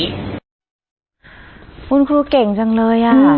คุณครูเก่งจังเลย